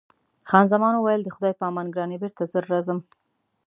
خان زمان وویل: د خدای په امان ګرانې، بېرته ژر راځم.